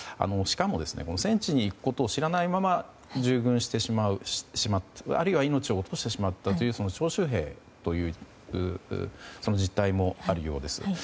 しかも、戦地に行くことを知らないまま従軍してしまうあるいは命を落としてしまったという徴集兵という実態もあるようです。